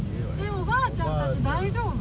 おばあちゃんたち大丈夫？